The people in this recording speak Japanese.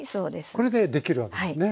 これでできるわけですね。